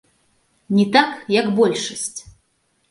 Не так, як большасць.